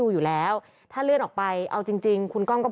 คือแม้ว่าจะมีการเลื่อนงานชาวพนักกิจแต่พิธีไว้อาลัยยังมีครบ๓วันเหมือนเดิม